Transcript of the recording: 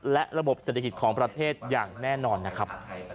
และระบบเศรษฐกิจของประเทศอย่างแน่นอนนะครับ